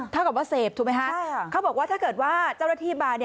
เท่ากับว่าเสพถูกไหมฮะเขาบอกว่าถ้าเกิดว่าเจ้าหน้าที่มา